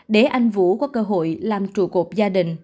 để anh vũ có cơ hội làm trụ cột gia đình